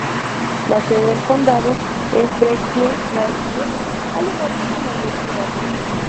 La sede del condado es Breckenridge, al igual que su mayor ciudad.